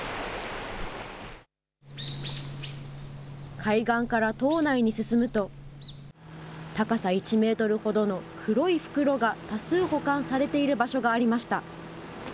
海岸から島内に進むと、高さ１メートルほどの黒い袋が多数保管されている場所がありました。